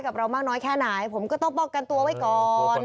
กับเรามากน้อยแค่ไหนผมก็ต้องป้องกันตัวไว้ก่อน